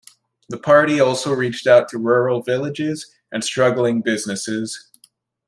The party also reached out to rural villages, and struggling businesses.